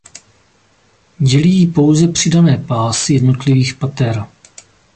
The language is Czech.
Dělí ji pouze přidané pásy jednotlivých pater.